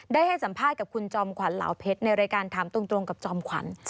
ได้ให้สัมภาษณ์กับคุณจอมขวัญเหล่าเพชรในรายการถามตรงกับจอมขวัญ